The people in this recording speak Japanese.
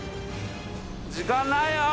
時間ないよ！